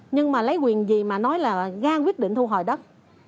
nhưng mà lấy quyền gì mà nói là gan quyết định thu hỏi đất